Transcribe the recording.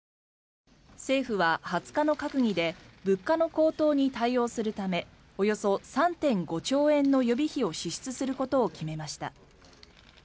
政府は２０日の閣議で物価の高騰に対応するためおよそ３．５兆円の予備費を支出することを決めました。